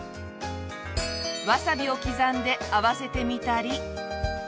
わさびを刻んで合わせてみたり。